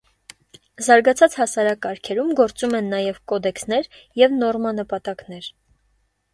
Զարգացած հասարակարգերում գործում են նաև կոդեքսներ և նորմանպատակներ։